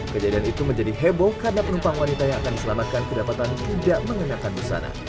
kejadian itu menjadi heboh karena penumpang wanita yang akan diselamatkan kedapatan tidak mengenakan busana